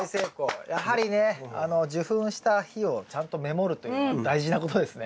やはりね受粉した日をちゃんとメモるというのは大事なことですね。